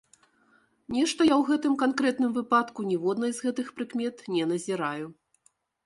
Нешта я ў гэтым канкрэтным выпадку ніводнай з гэтых прыкмет не назіраю.